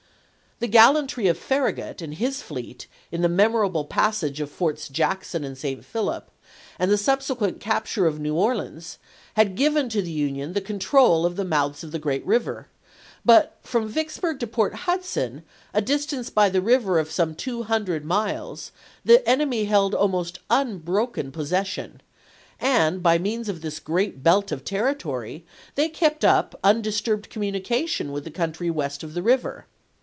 The gallantry of Farragut and his fleet in the memorable passage of Forts Jackson and St. Philip, and the subsequent capture of New Orleans, had given to the Union the control of the mouths of the great river ; but from Vicksburg to Port Hudson, a distance by the river of some two hundred miles, the enemy held almost unbroken possession, and, by means of this great belt of territory, they kept up undisturbed communication with the country west of the river.